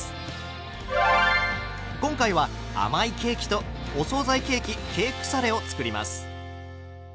今回は甘いケーキとお総菜ケーキケークサレを作ります。